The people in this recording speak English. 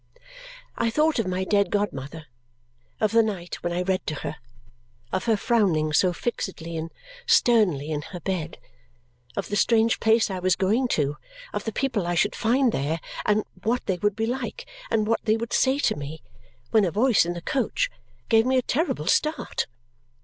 I thought of my dead godmother, of the night when I read to her, of her frowning so fixedly and sternly in her bed, of the strange place I was going to, of the people I should find there, and what they would be like, and what they would say to me, when a voice in the coach gave me a terrible start.